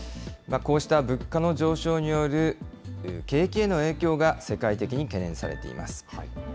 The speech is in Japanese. こうした物価の上昇による景気への影響が世界的に懸念されています。